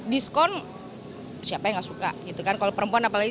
diskon siapa yang gak suka gitu kan kalau perempuan apalagi